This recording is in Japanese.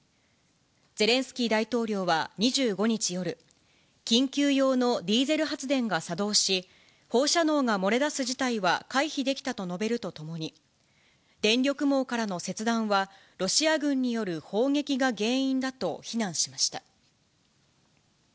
ゼレンスキー大統領は２５日夜、緊急用のディーゼル発電が作動し、放射能が漏れ出す事態は回避できたと述べるとともに、電力網からの切断はロシア軍による砲撃が原因だと非難しました。